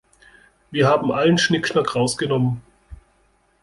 Wir haben allen Schnickschnack rausgenommen.